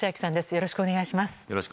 よろしくお願いします。